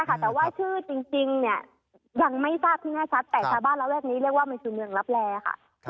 แต่ชาวบ้านระเวทนี้เรียกว่ามันคือเมืองลับแร่ค่ะ